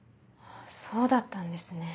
そうだったんですね。